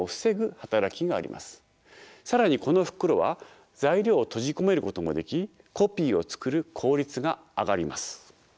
更にこの袋は材料を閉じ込めることもできコピーを作る効率が上がります。